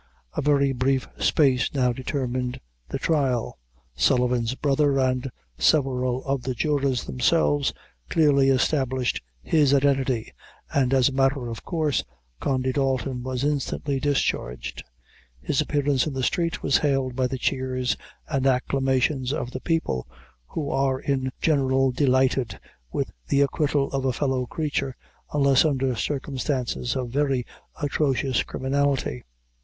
A very brief space now determined the trial. Sullivan's brother and several of the jurors themselves clearly established his identity, and as a matter of course, Condy Dalton was instantly discharged. His appearance in the street was hailed by the cheers and acclamations of the people, who are in general delighted with the acquittal of a fellow creature, unless under circumstances of very atrocious criminality.